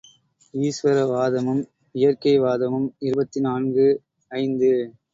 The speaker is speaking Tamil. ஈஸ்வர வாதமும் இயற்கை வாதமும் இருபத்து நான்கு ஐந்து.